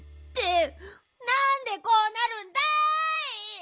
ってなんでこうなるんだい！